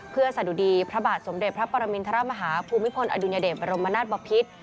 เพื่อสะดุดีพระบาทสมเด็จพระปรมินทรมาฮาภูมิพลอดุญเดชบรมนาศบพิษ